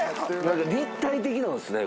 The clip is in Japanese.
立体的なんですね